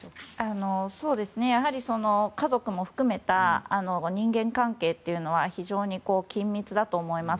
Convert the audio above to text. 家族も含めた人間関係というのは非常に緊密だと思います。